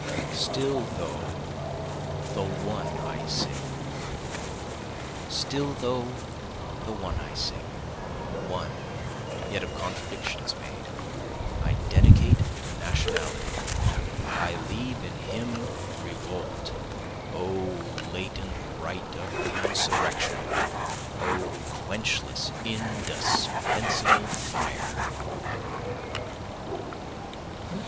Still Though the One I Sing Still though the one I sing, (One, yet of contradictions made,) I dedicate to Nationality, I leave in him revolt, (O latent right of insurrection! O quenchless, indispensable fire!)